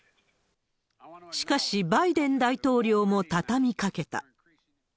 しかし、バイデン大統領もたたみかけた。